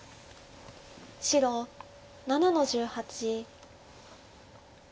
白７の十八。